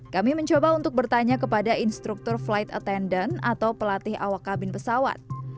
kami mencoba untuk bertanya kepada instruktur flight attendant atau pelatih awak kabin pesawat